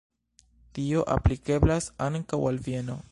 Tio aplikeblas ankaŭ al Vieno.